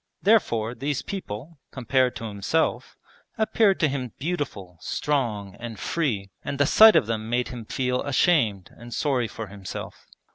Therefore these people, compared to himself, appeared to him beautiful, strong, and free, and the sight of them made him feel ashamed and sorry for himself.